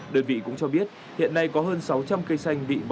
đơn vị cũng cho biết hiện nay có hơn sáu trăm linh cây xanh bị vỡ